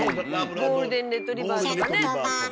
ゴールデン・レトリーバーとかね。